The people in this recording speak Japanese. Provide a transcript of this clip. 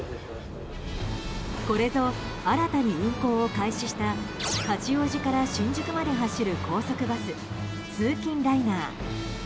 これぞ、新たに運行を開始した八王子から新宿まで走る高速バス通勤ライナー。